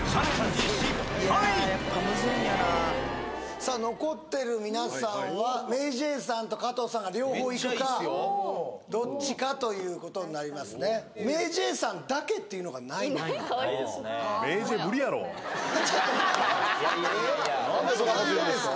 さあ残ってる皆さんはＭａｙＪ．さんと加藤さんが両方いくかどっちかということになりますねＭａｙＪ．さんだけっていうのがないの・何でそんなこと言うんですか？